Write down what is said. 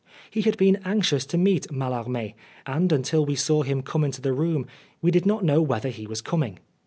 He had been anxious to meet Mallarme, and until we saw him come into the room we did not know whether he was coming.